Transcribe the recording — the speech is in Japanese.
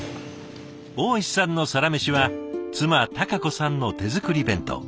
大石さんのサラメシは妻多歓子さんの手作り弁当。